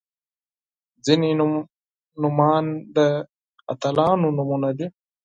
• ځینې نومونه د قهرمانانو نومونه دي.